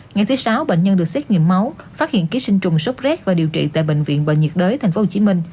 ngày thứ sáu bệnh nhân được xét nghiệm máu phát hiện ký sinh trùng sốt rét và điều trị tại bệnh viện bệnh nhiệt đới tp hcm